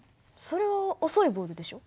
それは遅いボールでしょ。